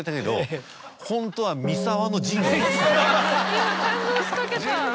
今感動しかけた。